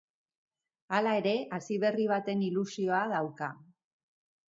Hala ere, hasiberri baten ilusioa dauka.